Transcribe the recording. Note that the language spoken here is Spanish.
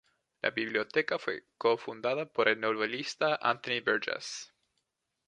La biblioteca fue co-fundada por el novelista Anthony Burgess.